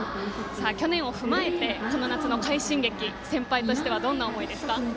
去年を踏まえて今年の大会の快進撃先輩としてはどんな思いですか？